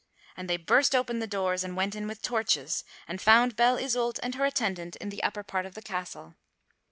And they burst open the doors and went in with torches, and found Belle Isoult and her attendant in the upper part of the castle.